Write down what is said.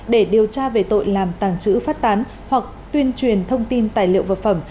để điều tra về tội làm tàng trữ phát tán hoặc tuyên truyền thông tin tài liệu vật phẩm